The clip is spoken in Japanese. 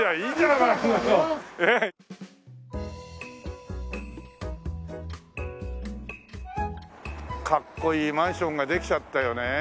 かっこいいマンションができちゃったよね。